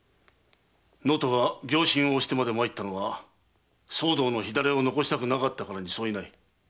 能登が病身をおしてまで参ったのは騒動の火種を残したくなかったからに相違ない。